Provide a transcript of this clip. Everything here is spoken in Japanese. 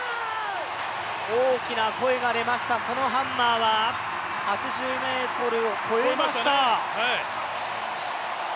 大きな声が出ました、そのハンマーは８０ｍを越えましたね